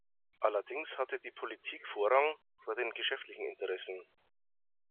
Allerdings hatte die Politik Vorrang vor den geschäftlichen Interessen.